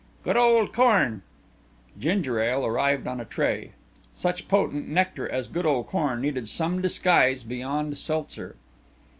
"Good old corn." Ginger ale arrived on a tray. Such potent nectar as "good old corn" needed some disguise beyond seltzer.